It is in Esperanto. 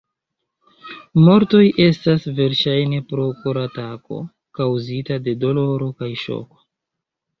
Mortoj estas verŝajne pro koratako kaŭzita de doloro kaj ŝoko.